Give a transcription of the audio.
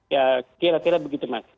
ya kira kira begitu mas